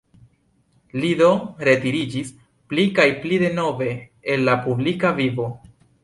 Li do retiriĝis pli kaj pli denove el la publika vivo.